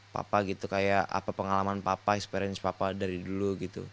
papa gitu kayak apa pengalaman papa experience papa dari dulu gitu